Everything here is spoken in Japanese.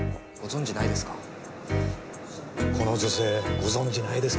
ご存じないですか？